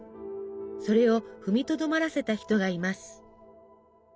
それを踏みとどまらせた人がいます。